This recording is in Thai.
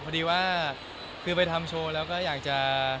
พอดีว่าคือไปทำโชว์แล้วก็อยากจะ